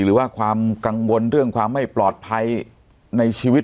หรือว่าความกังวลเรื่องความไม่ปลอดภัยในชีวิต